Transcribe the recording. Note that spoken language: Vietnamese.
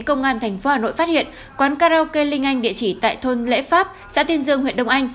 công an tp hà nội phát hiện quán karaoke linh anh địa chỉ tại thôn lễ pháp xã tiên dương huyện đông anh